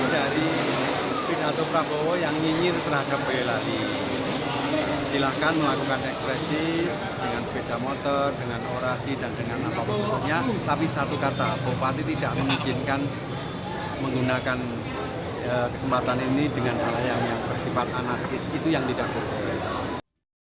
diberi izinkan menggunakan kesempatan ini dengan anak yang bersifat anakis itu yang tidak berguna